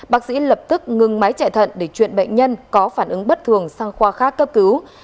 bác sĩ lập tức ngừng máy chạy thận để chuyển bệnh nhân có phản ứng bất thường sang khoa khác cấp cứu